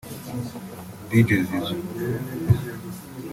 Dj Zizou